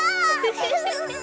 フフフフ。